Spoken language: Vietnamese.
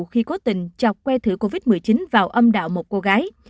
khi cố tình chọt que thử covid một mươi chín vào âm đạo một cô gái